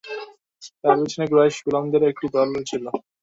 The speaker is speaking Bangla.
তার পেছনে কুরাইশ গোলামদের একটি দলও ছিল।